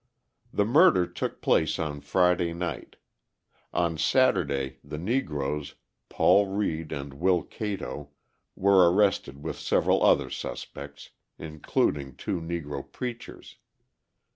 The murder took place on Friday night; on Saturday the Negroes, Paul Reed and Will Cato, were arrested with several other suspects, including two Negro preachers.